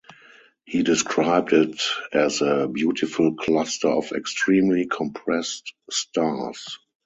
He described it as a "beautiful cluster of extremely compressed stars".